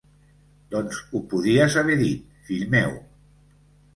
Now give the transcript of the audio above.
Doncs ho podies haver dit, fill meu!